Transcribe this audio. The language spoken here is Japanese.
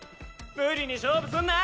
無理に勝負すんな！